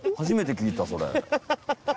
初めて聞いたそれ。